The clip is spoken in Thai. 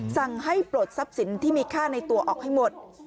สั่งให้ปลดทรัพย์สินที่มีค่าในตัวออกให้หมด